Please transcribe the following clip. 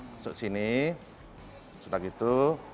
masuk sini sudah gitu